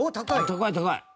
高い高い。